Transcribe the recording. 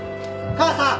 母さん？